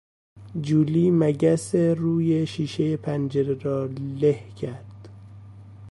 جولی مگس روی شیشهی پنجره را له کرد.